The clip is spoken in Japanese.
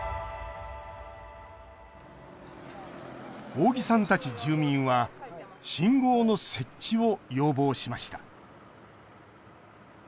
大木さんたち住民は信号の設置を要望しました。